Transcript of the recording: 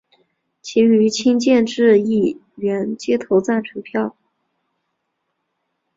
其余亲建制议员皆投赞成票。